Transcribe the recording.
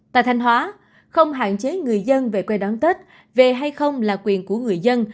tại thanh hóa không hạn chế người dân về quê đón tết về hay không là quyền của người dân